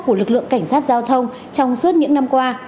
của lực lượng cảnh sát giao thông trong suốt những năm qua